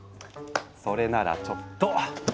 それならちょっと。